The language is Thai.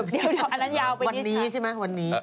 เดี๋ยวอันนั้นยาวไปนิดหนึ่งค่ะวันนี้ใช่ไหมวันนี้